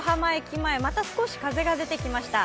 前、また少し風が出てきました。